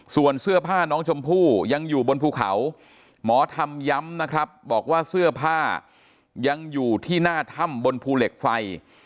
ส่วนเสื้อผ้าน้องชมพู่ยังอยู่บนภูเขาหมอธรรมย้ำนะครับบอกว่าเสื้อผ้ายังอยู่ที่หน้าถ้ำบนภูเหล็กไฟ